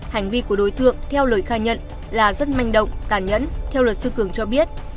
hành vi của đối tượng theo lời khai nhận là rất manh động tàn nhẫn theo luật sư cường cho biết